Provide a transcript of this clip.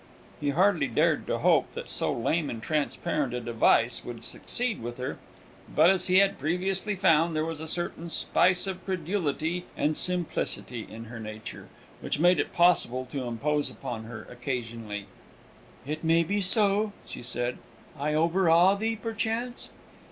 He hardly dared to hope that so lame and transparent a device would succeed with her; but, as he had previously found, there was a certain spice of credulity and simplicity in her nature, which made it possible to impose upon her occasionally. "It may be so," she said. "I overawe thee, perchance?"